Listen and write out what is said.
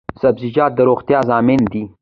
سبزیجات د روغتیا ضامن دي